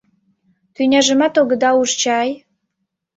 Тӱняжымат огыда уж чай?